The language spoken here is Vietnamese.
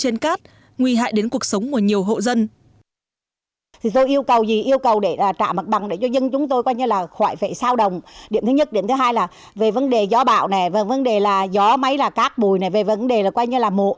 nguy hại đến cuộc sống của nhiều hộ dân